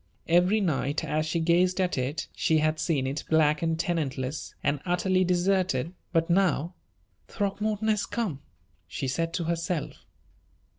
Every night, as she gazed at it, she had seen it black and tenantless, and utterly deserted; but, now "Throckmorton has come!" she said to herself.